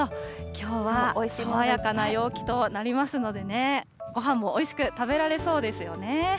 きょうは爽やかな陽気となりますのでね、ごはんもおいしく食べられそうですよね。